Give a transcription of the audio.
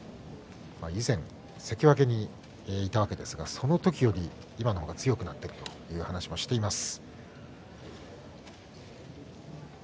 以前、関脇にいたわけですがその時より今の方が強くなっているという話もしています。